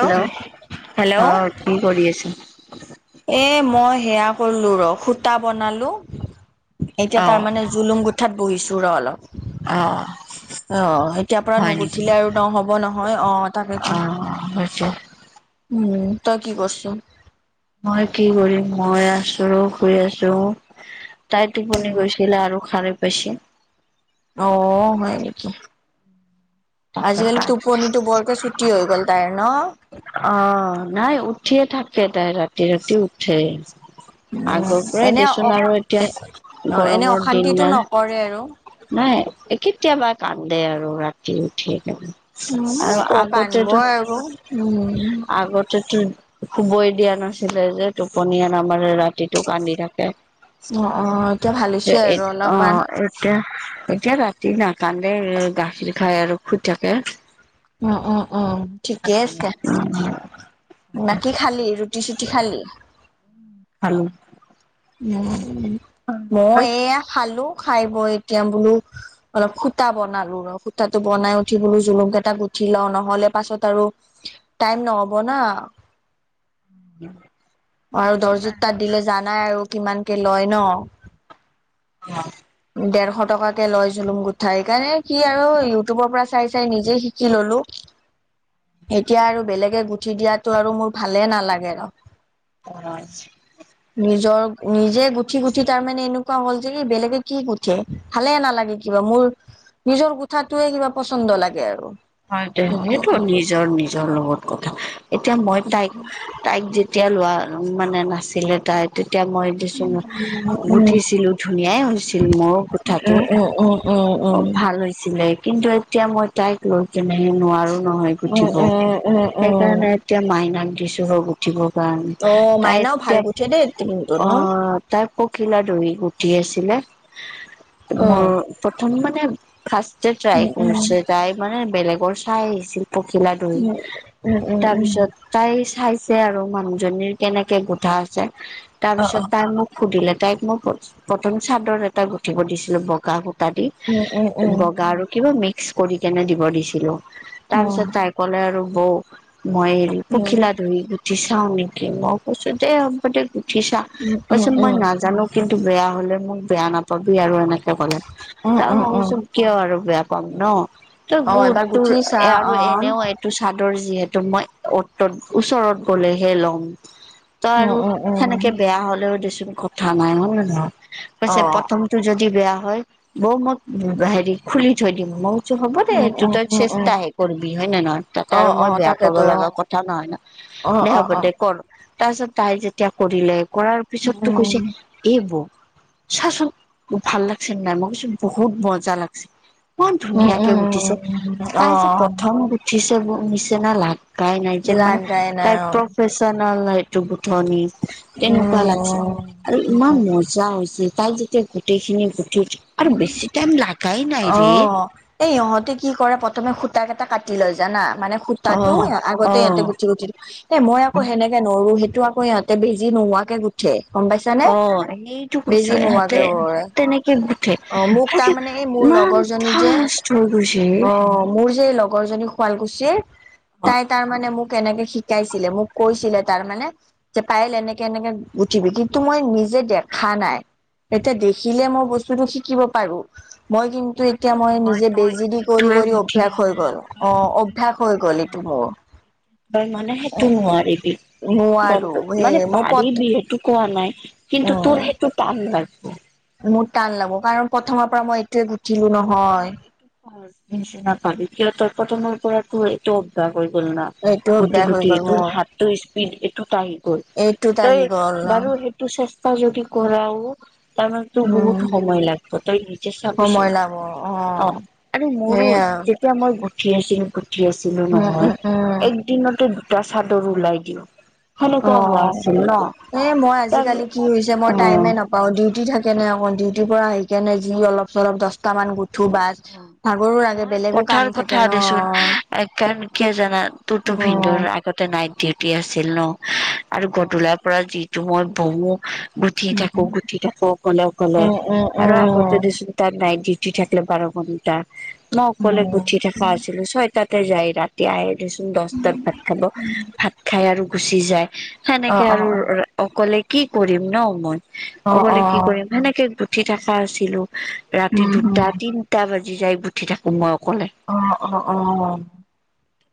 'Hello', hello অঁ কি কৰি আছিল? এ মই সেয়া কৰিলো ৰ সুতা বনালো, এতিয়া অ' তাৰমানে জুলুম গুট- ঠাত বহিছোঁ ৰ অলপ। অঁ। অঁ এতিয়াৰ পৰা নুগুঠিলে আৰু নহ'ব নহয়। অঁ তাকেটো- অ' হৈছে উমঁ, তই কি কৰচ? মই কি কৰিম, মই আছো আৰু শুই আছোঁ। তাই টোপনি গৈছিলে আৰু সাৰে পাইছে অঁ হয় নেকি, আজিকালি টোপনি- টো বৰকৈ ছুটি হৈ গ'ল তাইৰ ন? অঁ, নাই উঠিয়ে থাকে তাই ৰাতি- ৰাতি উঠে। আগৰ পৰাই এনে অ দেচোন আৰু এ এতিয়া অ এনে গৰমৰ দিন অশান্তিটো না। নকৰে আৰু নাই, কেতিয়াবা কান্দে আৰু ৰাতি উঠি কে উম, উম ক পৰা আনিব আক উম। আগতেতো শুবই দিয়া নাছিলে যে টোপনিয়ে নামেৰে ৰাতিটো কান্দি থাকে। অ অ এতিয়া ভাল অ হৈছে আৰু অলপমান। এতিয়া -এতিয়া ৰাতি নাকান্দে গাখীৰ খাই আৰু শুই থাকে উমঁ,, উমঁ, উমঁ, ঠিকেই আছে। বাকী খালি ৰুটি চুটি খালি? খালোঁ। উম মই হয় এইয়া খালো, খাই বৈ এতিয়া বোলোঁ- অলপ সূতা বনালো ৰ, সূতাটো বনাই উঠি বোলো জুলুঙকেইটা গুঠি লওঁ নহ'লে পাছত আৰু- টাইম নহ'ব না। আৰু দৰ্জিত তাত দিলে জানাই আৰু কিমানকে লয় ন। [inaudible] ডেৰশ টকাকে লয় জুলুং গোঠা সেইকাৰণে কি আৰু ইউটিউবৰ পৰা চাই চাই নিজে শিকি ললোঁ। এতিয়া আৰু বেলেগে গুঠি দিয়াটো আৰু মোৰ ভালেই নালাগে ৰ। [unintelligible] নিজৰ নিজে গুঠি গুঠি তাৰমানে এনেকুৱা হ'ল যে কি বেলেগে কি গুঠে ভালে নালাগে কিবা মোৰ। নিজৰ গুঠাটোৱে কিবা পচন্দ লাগে আৰু। হয়টো তাকে সেইটো নিজৰ নিজৰ লগত কথা এতিয়া মই তাইক তাইক যেতিয়া লোৱা মানে নাছিলে তাই তেতিয়া মই [unintelligible] উম গুঠিছিলো ধুনীয়াই হৈছিল মইও গুঠাটো। উম উম উম অ উম ভাল হৈছিলে কিন্তু এতিয়া মই তাইক লৈ কেনেহে নোৱাৰো নহয়। গুঠিব উম উম উম উম উম সেইকাৰণে এতিয়া মাইনাক দিছো ৰব। গুঁঠিব কাৰণে অ তাই মাইনাও ভাল এতিয়া গুঠে দেই কিন্তু ন অ তাক পখিলা দহি উঠি আছিলে। অ মোৰ প্ৰথম মানে ফাৰ্ষ্ট যে ট্ৰাই উম উম কৰিছে তাই মানে বেলেগৰ চাই আহিছিল। পখিলা দহি উম উম উম উম তাৰপিছত তাই চাইছে আৰু মানুহজনীৰ কেনেকে গুঠা আছে অ অ তাৰপিছত তাই মোক সুধিলে তাইক মই প্ৰথম চাদৰ এটা গুঠিব দিছিলো বগা- তাদি উম উম উম অ উম উম উম উম বগা আৰু কিবা মিক্স কৰি কেনে দিব দিছিলো উম তাৰপিছত তাৰ ক'লে আৰু বৌ মই হৰি পখিলা দহি গু- গুঠি চাওঁ নেকি মই কৈছোঁ দে হবদে গুঠি ছা কৈছে মই নাজানোঁ। কিন্তু বেয়া হলে মোক বেয়া নাপাবি আৰু এনেকে ক'লে, তা উম উম ভাবিছোঁ কিয় আৰু বেয়া পাম ন' তই অ গোট এবাৰ তোৰ গুঠি চা আৰু অ এনেও এট- টো চাদৰ যিহেতু মই অত তত ওচৰত গ'লেহে লম। ত উম আৰু উম উম সেনেকে বেয়া হলেও দেচোন কথা নাই হয় নে নহয়। অ কৈছে প্ৰথম টো যদি বেয়া হয় বৌ মই হেৰি খুলি থৈ দিম, মই কৈছোঁ হ'ব। উম সেইটো উম তই উম উম চেষ্টাহে কৰবি হয় নে নহয় তাতে অ আৰু অ মই বেয়া পাব তাকেতো লগা কথা নহয় ন। অ অ দে অ হব অ দে কৰ তাৰপিছত তাই যেতিয়া কৰিলে কৰাৰ উম পিছতটো কৈছে, এ বৌ চাচোন ভাল লাগছে নে নাই মই কছোঁ বহুত মজা লাগছে। ইমান উম ধুনীয়াকে উম গুঠিছে উম অ তাই যে প্ৰথম গুঠিছে ব নিচিনা লাগ- লাগাই নাই যেন মানে লাগাই নাই তাই অ প্ৰফেচনেল হেটো গুঠনি। তেনেকুৱা লাগছে আৰু উম ইমান মজ- মজা হৈছে তাই যেতিয়া গোটেইখিনি গুঠি উঠ আৰু বেছি টাইম লাগাই নাই অ ৰে। এই ইহঁতে কি কৰে প্ৰথমে সূতা এটা কাটি লয় জানা মানে সুত- অ তাতো অ আগতে ইহতে গুঠি গুঠি এ মই আকৌ হেনেকে নৰো সেইটো আকৌ ইহতে বেজী নোহোৱাকে গু- ঠে গম পাইছা নে অ সেইটো কৈছো বেজি নোহোৱাকে ইহঁতে কৰে। [unintelligible] অ, মোক আৰু তাৰ মানে এই মোৰ ইমান লগৰজনী যে ফাষ্ট হৈ গৈছে অ, মোৰ যে লগৰজনী শুৱালকুছিৰ তাই তাৰ মানে মোক এনেকে শিকাইছিলে মোক কৈছিলে তাৰ মানে। যে পাৰেল এনেকে - এনেকে গুঠিবি কিন্তু মই নিজে দেখা নাই। এতিয়া দেখিলে মই বস্তুতটো শিকিব পাৰো। মই কিন্তু এতিয়া আৰু মই নহয় নিজে তই বেজি দি কৰি এইটোৱে কৰি গুঠিলি অভ্যাস হৈ না গ'ল। তই অ, এইটোৱে অভ্যাস হৈ গুঠিলি গ'ল। না অ। তই মানে সেইটো নোৱাৰিবি। নোৱাৰো গমটো মানে সেই মোৰ পথ পাৰিবি সেইটো কোৱা নাই কিন্তু উম তোৰ সেইটো টান লাগব। মোৰ টান লাগব কাৰণ প্ৰথমৰ পৰা মই এইটোৱে গুঠ আৰু তই এইটো সহজ নিচিনা পাবি কিয় তই প্ৰথমৰ পৰাতো এইটো অভ্যাস হৈ গ'ল না। এইটো গুটি অভ্যাস হৈ -গুটি গ'ল তোৰ মোৰ হাতটো স্পীড এইটোত আহি গল এইটোত আহি তই গ'ল বাৰু সেই তো চেষ্টা যদি কৰাও তাৰমানে তোৰ উম বহুত সময় লাগিব তই নিজে সময় চাবিচোন। লাগ অ অ, আৰু মোৰো সেইয়া যেতিয়া মই গঠি আছিলো গঠি আছিলো উম উম নহয় উম এক দিনতে দুটা চাদৰ ওলাই দিও। অ, এ মই তাৰ আজিকালি কি হৈছে মই টাইমে অ নাপাও। অ, ডিউটি থাকে নে অকৌ ডিউটিৰ পৰা আহিকেনে যি অলপ চলপ দশট মান ধুবাচ ভাগৰো লাগে নহয় বেলেগো কাম কথাৰ থাকে কথা ন। টটো অ ভিনডৰ আক আতে নাইট ডিউটি আছিল ন আৰু গধূলাৰ পৰা যিটো মই বহু গুঠি থাকো - গুঠি থাকো অকলে-অকলে উম উম আৰু উম আগতে দিছো তাৰ নাইট ডিউটি থাকিল বাৰ ঘণ্টা নকলে উম গঠি থাকা আছিল ছয়টাতে যায় ৰাত এতিয়া আহ দেচোন দহটাত ভাত খাব ভাত খাই আৰু গুচি যায়। অ সেনেকে অ আৰু অকলে কি কৰিম ন মই অ অ অ অকলে কি কৰিম সেনেকে উঠি থকা আছিলো ৰাতি উম উম দুটা তিনটা বাজি যাই গোঠি থাকো মই অকলে। অ', অ', অ',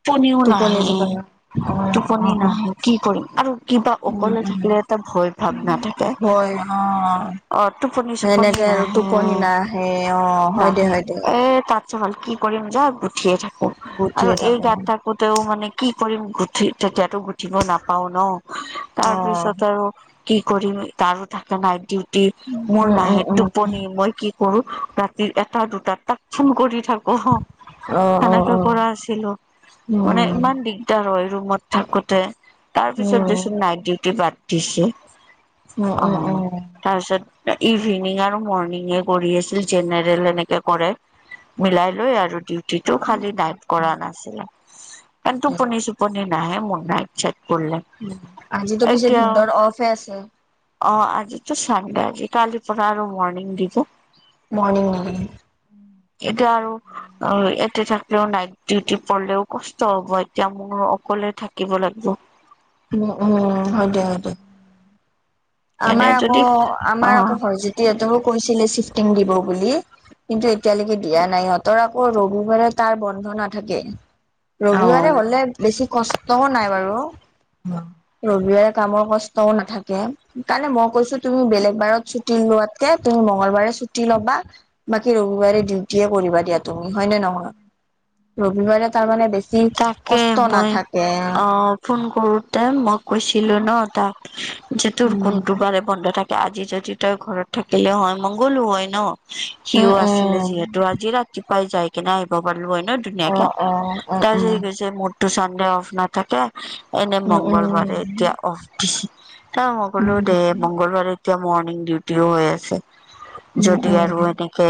টোপনিও টোপনি নাহে জোক অ', অ', অ', টোপনি নাহে কি কৰিম আৰু কিবা উম অকলে - উম। থাকিলে এটা ভয় ভাৱ নাথাকে হয় অ, অ টোপনি চোপনি সেনেকে আৰু টোপনি নাহে নাই। সেই অ, হয় দে নাহে হয় দে এ তাতছ ভাল কি কৰিম য গুঠিয়ে থাকো আৰু গুঠিয়ে এই থাকো গাত তাক তেও মানে কি কৰিম গুঠি তেতিয়াতো গুঠিব নাপাও ন। অ তাৰপিছত আৰু কি কৰিম তাৰো ঠাকে নাই ডিউ টি মোৰ উম উম নাহে উম টোপনি মই কি কৰো ৰাতিৰ এটা দুটা তাক ফোন কৰি থাকো। অ, অ', হহ অ', সেহেনে অ', কৰা আছিলো উম, মানে ইমান দিগ এতি ৰ ৰুমত থাকোতে তাৰ উম, উম, পিছত দেচোন নাইট ডিউটি বাদ দিছে। অ, উম, উম। তাৰপিছত ইভিনিং আৰু মৰ্ণিঙে কৰি আছিল জেনে এনেকে কৰে মিলাই লৈ আৰু ডিউটিটো খালি নাইট কৰা নাছিলে। কাৰন টোপনি-চোপনি নাহে মোৰ নাই নাইট-চাইট কৰিলে। আজিতো পিছে এতিয়া ভিন্দৰ অফে আছে। অ, আজিতো চানডে আজি কালি পৰা আৰু মৰ্ণিং দিব। মণিং নিকি। এতিয়া আৰু অ, ইয়াতে থাকিলও নাইট ডিউটি পলেও কষ্ট হব এতিয়া মোৰ অকলে থাক কিব লাগিব। উম-উম হয়দে - হয়দে এনে আমাৰ আকৌ যদি - আমাৰ অ' আকৌ ভজিত সিহতকো কৈছিলে চিফ্টিং দিব বুলি। কিন্তু এতিয়ালৈকে দিয়া নাই সিহতৰ আকৌ ৰবিবাৰে তাৰ বন্ধ নাথাকে। ৰবিবাৰে অ' হলে বেছি কষ্টও নাই বাৰু। ৰবিবাৰে কামৰ কষ্টও নাথাকে। সকাৰণে মই কৈছো তুমি বেলেগ বাৰত ছুটি লোৱাতকে তুমি মংগলবাৰে ছুটি ল'বা। বাকী ৰবিবাৰে ডিউটি কৰিবা দিয়া তুমি হয় ন নহয় ৰবিবাৰে তাৰমানানে বেছি কি তাকে কষ্ট মই নাথাকে। অ ফোন কৰোতে মই কৈছিলো ন তাক যে তোৰ উম কোনটো বাৰে বন্ধ থাকে আজি যদি তই ঘৰত থাকিলে হয় মই গলো হয় ন সিও উম আছিলে যিহে উম ত আজি ৰাতিপুৱাই যাই কিনে আহিব পাৰলো হয় ন। অ', অ', তাৰ উম গৈছে মৰটো চানে অফ নাথাকে এনে উম উম মংগলবাৰে এতিয়া অফ। তাৰ মগলো উম দে মংগলবাৰে এতিয়া মৰ্ণিং ডিউটিও হৈ আছে। উম যদি উম আৰু এনে কে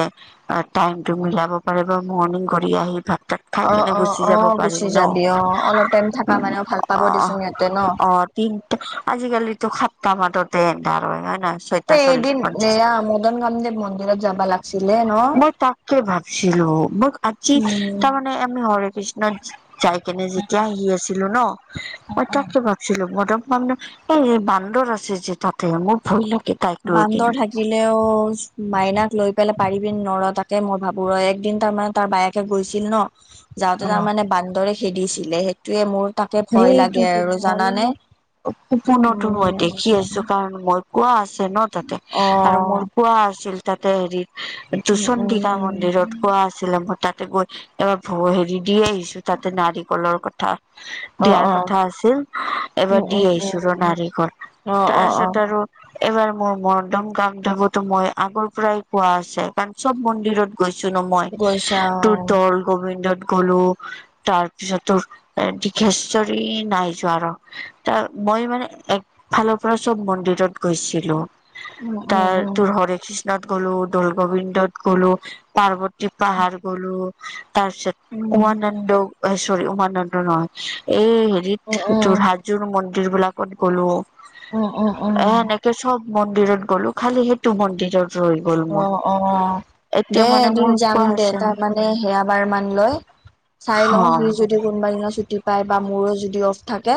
টাইম টো মিলাব পাৰে বা মৰ্ণিং কৰি আহি ভাত তাত খাই অ কেনে অ গুচি অ যাব পাৰিম গুচি ন যাবি অ অলপ টাইম থকা মানে ভাল পাব অ দিচোন ইহঁতে ন। অ তিনটা আজিকালিতো সাতটা মাজতে এন্ধাৰ হয় হয় নহয়। এ এদিন এয়া মদন কামদেৱ মন্দিৰত যাবা লাগছিলে ন। ত ভাবছিলো মোক আজি উম তাৰমা নে আমি হৰি কৃষ্ণ যাই কেনে যেতিয়া আহি আছিলো ন মই তাকে ভাবি ছিলো মদন কামদেৱ এই বান্দৰ আছে যে তাতে মোৰ ভয় লাগে। তাইক লৈ বান্দৰ কিনে থা কিলেও মাইনাক লৈ পেলাই পাৰিবি নৰ তাকে মই ভাবো ৰ এক দিন তাৰমানে তাৰ বায়েক, গৈছিল ন অ যাওঁতে তাৰমানে বান্দৰে খেদিছিলে সে টোয়ে মোৰ তাকে ভয় লাগে সেইটোতো আৰু নহ'লে জানানে। মই সপোনতো মই উম দেখি আছো কাৰণ মই কোৱা আছে ন তাতে অ আৰু মোৰ কোৱা আছিল তাতে হেৰি উম দুচণ্ডিকা উম মন্দিৰত কোৱা আছিলে মই তাতে গৈ এবাৰ হেৰি দি আহিছো তাতে নাৰিকলৰ কথা অ দিয়াৰ অ কথা আছিল উম এবাৰ দি উম উম আহিছো ৰ নাৰিকল অ অ অ তাৰপিছত আৰু এইবাৰ মোৰ মদন কামদেৱতো মই আগৰ পৰাই কোৱা আছে কাৰণ মন্দিৰত গৈছো ন মই গৈছা তোৰ অ দল গোবিন্দনত গলো তাৰপিছতো এ দি ৰ্ঘেচৰী নাই যোৱা ৰ ত মই মানে এ ফালৰ পৰা চব মন্দিৰত গৈছিলো। উম উম তাৰ তোৰ হৰে কৃষ্ণত গ'লো দল গোবিন্দত গ'লো পাৰ্ব তি পাহাৰ গলো তাৰ পিছত উম উমানন্দ চৰি উমানন্দ নহয়। এই উম উম উম হেৰিত তোৰ হাজোৰ মন্দিৰ বিলাকত গ'লো। অ অ অ এ সেনেকে চব মন্দিৰত গ'লো খালি সেইটো মন্দিৰত ৰৈ গ'ল অ মোৰ অ এতিয়া দে মানে এদিন মোৰ কোৱা যাম দে হৈছে তাৰমানে সেয়া বাৰ মান লৈ। চাই লও সি অ যদি কোনোবা দিনাত ছুটি পায় বা মোৰো যদি অফ থাকে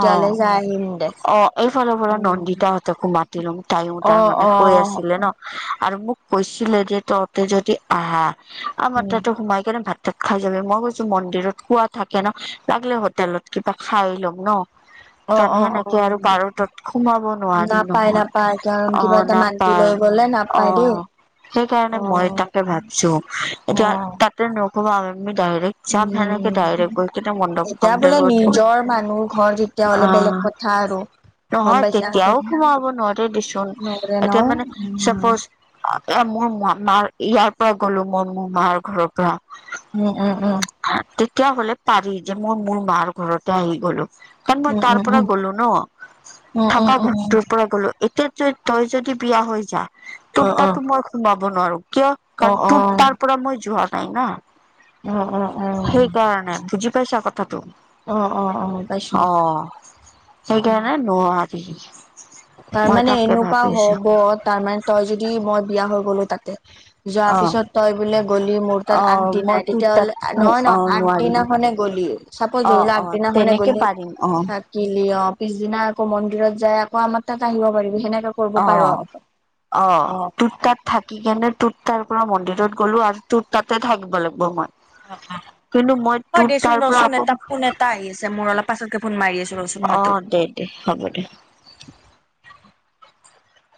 অ যাই আহিম দে। অ এইফালৰ পৰা অ', নন্দীতা হতকো মাতি লম তাইয়ো অ', তাৰমানে কৈ অ', আছিলে ন। আৰু মোক কৈছিলে যে তহঁতে যদি আহা আমাৰ তাতো সোমাই কেনে ভাত তাত খাই যাবি। মই কৈছো মন্দিৰত খোৱা থাকে ন লাগিলে হোটেলত কিবা খাই লম। ন তেনে অ', সেনেকে অ'। আৰু কাৰো তাত সোমাব নোৱাৰি নাপায় নহয় নাপায় কাৰণ কিবা অহ এটা মান্তি নাপায়। লৈ গ'লে অ নাপায় দেই। সেইকাৰণে মই অ', তাকে ভাবিছো এতিয়া তাত তে নকবা আৰু আমি ডাইৰেক্ট যাম সেনেকে উম, ডাইৰেক্ট গৈ কিনে মণ্ডপ এতিয়া মন্দিৰ বোলে গৈ কিনি নিজৰ মানুহ ঘৰ যেতিয়া হলে বেলেগ কথা আৰু গম নহয় পাইছা তেতিয়াও সোমাব নোৱাৰে দে চোন নহ'লে ন এতিয়া মানে উম। চাপ'জ তাকে মোৰ ম মাৰ ইয়াৰ পৰা গ'লো মোৰ মো মাৰ ঘৰৰ পৰা। উম উম উম। তেতিয়া হলে পাৰি যে মই মোৰ মাৰ ঘৰতে আহি গলো। কাৰণ মই উম, তাৰ উম, পৰা উম, গ'লো ন উম, উম, থকা উম, ঘৰটোৰ পৰা গ'লো এতিয়া তই তই যদি বিয়া হৈ যা তোৰ অ', অ', অ', অ'। তাতো মই সোমাব নোৱাৰো কিয় কাৰণ তোৰ তাৰ পৰা মই যোৱা নাই না অ', অ', সেইকাৰণে বুজি পাইছা কথাটো। অ অ অ পাইছোঁ। অ সেইকাৰণে নোৱাৰি। মই তাৰমানে তাকে এনেকোৱা ভাবি আছো হব তাৰমানে তই যদি মই বিয়া হৈ গলো তাতে যোৱাৰ অ পিছত তই বোলে গ'লি মোৰ তাত অ', মই আগদিনাই তোৰ তেতিয়া তাত হ'লে নহয় ন অ', নোৱাৰিম আগদিনাখনে গ'লিয়ে চাপউজ অ', ধৰিলো অ', আগদিনাখনে তেনেকে গলি পাৰিম অ', তাত কিলি অ পিছদিনা আকৌ মন্দিৰত যাই আকৌ আমাৰ তাক আহিব পাৰিবি সেনেকক অ অ তোৰ তাত। থাকি কেনে তোত তাৰ পৰা মন্দিৰত গ'লো আৰু তোত তাতে থাকিব লাগিব মই। অ অ কিন্তু মই হয় তোৰ দেচোন তাৰ পৰা ৰচোন আকৌ এটা ফোন এটা আহি আছে মোৰ অলপ পাছতকে ফোন মাৰি আছো ৰচোন মই তোক অ', দে দে হ'ব দে।